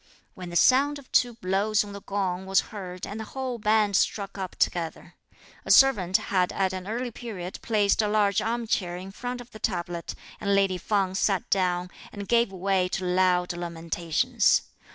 when the sound of two blows on the gong was heard and the whole band struck up together. A servant had at an early period placed a large armchair in front of the tablet, and lady Feng sat down, and gave way to loud lamentations.